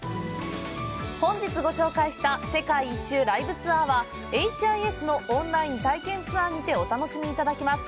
本日ご紹介した世界一周ライブツアーはＨＩＳのオンライン体験ツアーにてお楽しみいただけます。